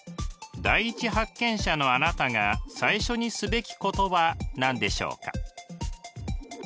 第一発見者のあなたが最初にすべきことは何でしょうか？